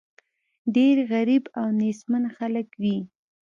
ډېر غریب او نېستمن خلک وي.